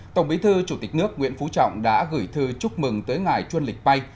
tổng bí thư chủ tịch nước nguyễn phú trọng đã gửi thư chúc mừng tới ngài chuyên lịch bay